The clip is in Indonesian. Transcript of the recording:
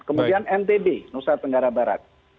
kemudian ntb nusa tenggara barat